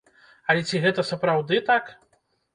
Але ці гэта сапраўды так?